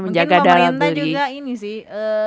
mungkin pemerintah juga ini sih